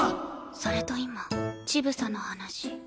それと今乳房の話した。